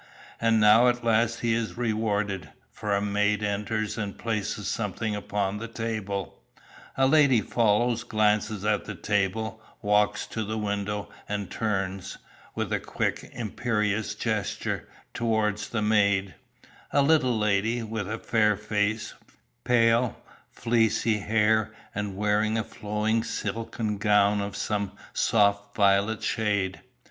And now at last he is rewarded, for a maid enters and places something upon the table; a lady follows, glances at the table, walks to the window, and turns, with a quick, imperious gesture, toward the maid; a little lady, with a fair face, pale, fleecy hair and wearing a flowing silken gown of some soft violet shade.